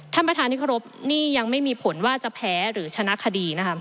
ท่านประธานที่เคารพนี่ยังไม่มีผลว่าจะแพ้หรือชนะคดีนะคะ